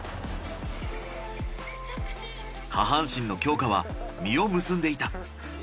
下半身の強化は実を結んでいた。